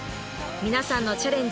皆さんのチャレンジ